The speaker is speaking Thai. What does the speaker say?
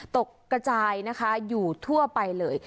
ตกกระจายนะคะอยู่ทั่วไปเลย